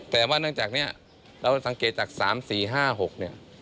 แต่ว่าเนื่องจากนี้เราสังเกตจาก๓๔๕๖เนี่ย